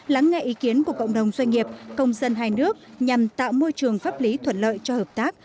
lắng nghe ý kiến của cộng đồng doanh nghiệp công dân hai nước nhằm tạo môi trường pháp lý thuận lợi cho hợp tác